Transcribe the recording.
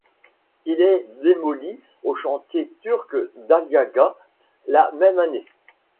Il est démoli aux chantiers turcs d'Aliağa la même année.